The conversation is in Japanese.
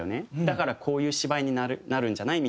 「だからこういう芝居になるんじゃない？」